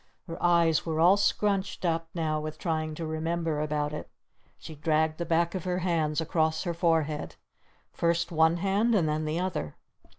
Her eyes were all scrunched up now with trying to remember about it. She dragged the back of her hands across her forehead. First one hand and then the other.